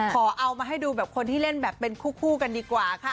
เอามาให้ดูแบบคนที่เล่นแบบเป็นคู่กันดีกว่าค่ะ